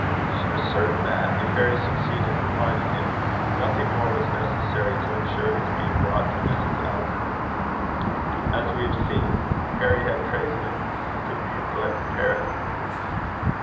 She was certain that, if Harry succeeded in finding him, nothing more was necessary to insure his being brought to Mrs. Elton's. As we have seen, Harry had traced him to Buccleuch Terrace.